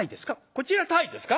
こちら鯛ですか？